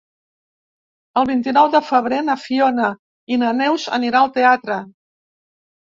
El vint-i-nou de febrer na Fiona i na Neus aniran al teatre.